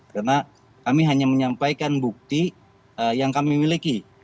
karena kami hanya menyampaikan bukti yang kami miliki